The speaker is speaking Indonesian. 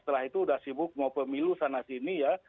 setelah itu udah sibuk mau pemilu sana sini ya